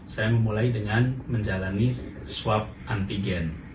saya memulai dengan menjalani swab antigen